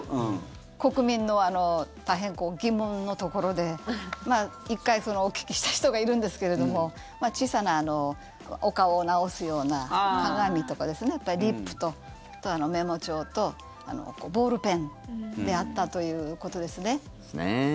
国民の大変疑問のところで１回お聞きした人がいるんですけれども小さなお顔を直すような鏡とかリップと、あとはメモ帳とボールペンであったということですね。